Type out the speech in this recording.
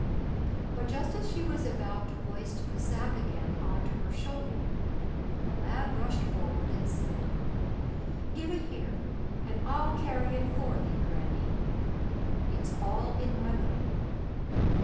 But just as she was about to hoist the sack again on to her shoulder, the lad rushed forward and said: "Give it here, and I'll carry it for thee, granny! It's all in my way."